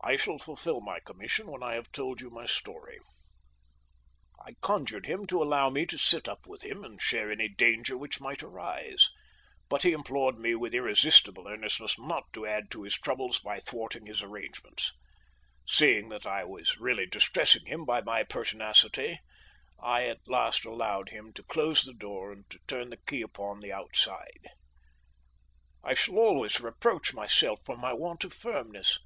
I shall fulfill my commission when I have told you my story. I conjured him to allow me to sit up with him and share any danger which might arise, but he implored me with irresistible earnestness not to add to his troubles by thwarting his arrangements. Seeing that I was really distressing him by my pertinacity, I at last allowed him to close the door and to turn the key upon the outside. I shall always reproach myself for my want of firmness.